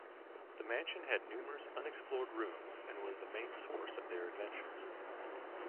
The mansion had numerous unexplored rooms, and was the main source of their adventures.